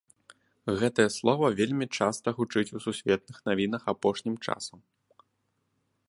Гэтае слова вельмі часта гучыць у сусветных навінах апошнім часам.